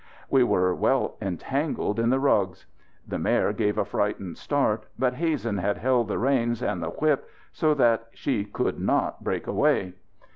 We were well entangled in the rugs. The mare gave a frightened start, but Hazen had held the reins and the whip so that she could not break away.